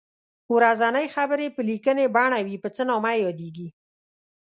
ورځنۍ خبرې په لیکنۍ بڼه وي په څه نامه یادیږي.